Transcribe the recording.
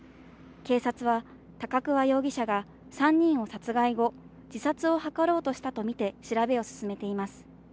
警察は高桑容疑者が３人を殺害後、自殺を図ろうとしたとみて調べを進めています。